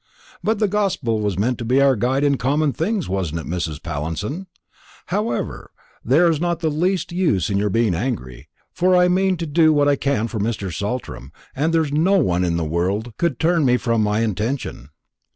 "But the gospel was meant to be our guide in common things, wasn't it, Mrs. Pallinson? However, there's not the least use in your being angry; for I mean to do what I can for Mr. Saltram, and there's no one in the world could turn me from my intention."